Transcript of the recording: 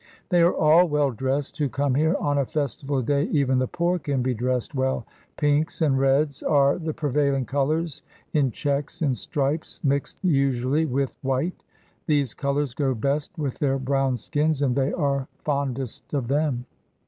They are all well dressed who come here; on a festival day even the poor can be dressed well. Pinks and reds are the prevailing colours, in checks, in stripes, mixed usually with white. These colours go best with their brown skins, and they are fondest of them.